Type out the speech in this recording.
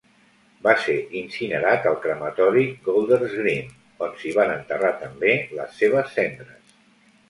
Va ser incinerat al crematori Golders Green, on s'hi van enterrar també les seves cendres.